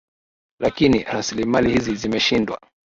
lakini raslimali hizi zimeshindwa